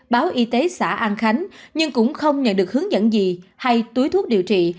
báo y tế xã an khánh nhưng cũng không nhận được hướng dẫn gì hay túi thuốc điều trị